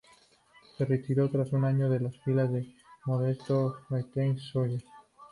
Se retiró tras un año en las filas del modesto Bretagne-Schuller.